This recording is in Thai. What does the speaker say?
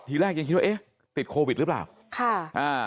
ทีแรกยังคิดว่าเอ๊ะติดโควิดหรือเปล่าค่ะอ่า